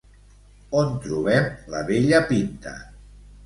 On trobem la vella Pinta?